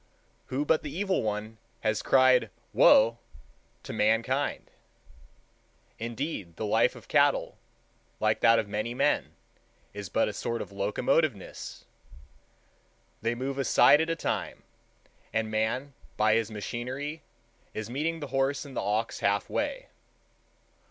Who but the Evil One has cried "Whoa!" to mankind? Indeed, the life of cattle, like that of many men, is but a sort of locomotiveness; they move a side at a time, and man, by his machinery, is meeting the horse and the ox half way.